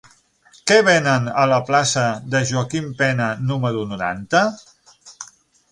Què venen a la plaça de Joaquim Pena número noranta?